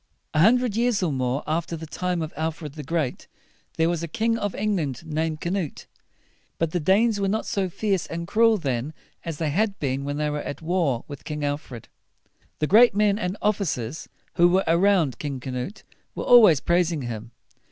A hundred years or more after the time of Alfred the Great there was a king of England named Ca nuté. King Canute was a Dane; but the Danes were not so fierce and cruel then as they had been when they were at war with King Alfred. The great men and of fi cers who were around King Canute were always praising him.